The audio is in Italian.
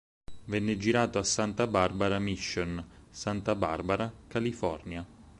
Venne girato a Santa Barbara Mission, Santa Barbara, California.